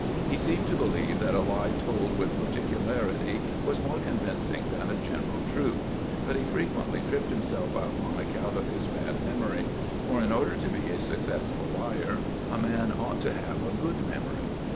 He seemed to believe that a lie told with particularity was more convincing than a general truth ; but he frequently tripped himself up on account of his bad memory, for in order to be a success ful liar a man ought to have a good memory.